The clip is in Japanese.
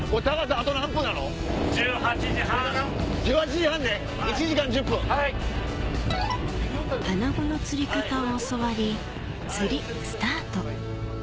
アナゴの釣り方を教わり釣りスタート！